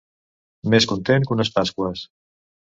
Més content que unes pasqües.